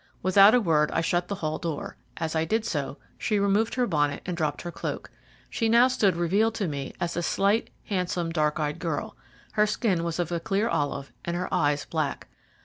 Without a word, I shut the hall door. As I did so, she removed her bonnet and dropped her cloak. She now stood revealed to me as a slight, handsome, dark eyed girl. Her skin was of a clear olive, and her eyes black.